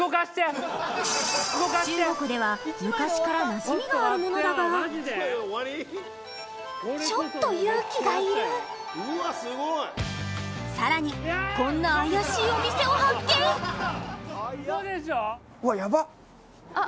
中国では昔からなじみがあるものだがちょっと勇気がいるさらにこんな怪しいお店を発見うわっヤバッ！